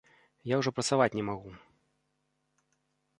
Я ўжо працаваць не магу.